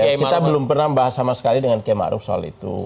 maaf ya kita belum pernah bahas sama sekali dengan kiai maruf soal itu